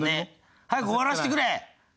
早く終わらせてくれ！